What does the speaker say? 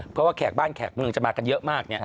เพราะว่าแขกบ้านแขกเมืองจะมากันเยอะมาก